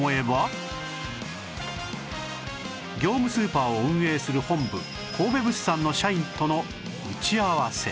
業務スーパーを運営する本部神戸物産の社員との打ち合わせ